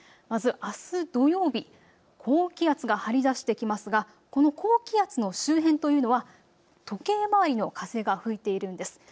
まずあす土曜日、高気圧が張り出してきますがこの高気圧の周辺というのは時計回りの風が吹いているんです。